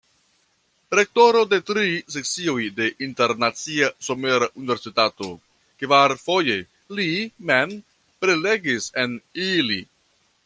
Rektoro de tri sesioj de Internacia Somera Universitato, kvarfoje li mem prelegis en ili.